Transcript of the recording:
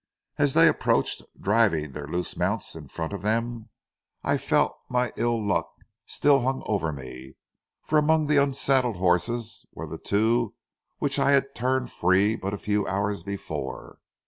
As they approached, driving their loose mounts in front of them, I felt that my ill luck still hung over me; for among the unsaddled horses were the two which I had turned free but a few hours before.